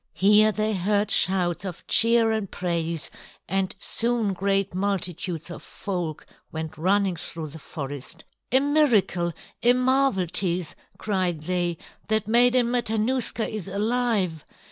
Here they heard shouts of cheer and praise, and soon great multitudes of folk went running through the forest. "A miracle! A marvel 'tis," cried they, "that Maiden Matanuska is alive!"